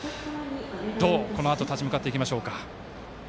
どう立ち向かっていきましょうか。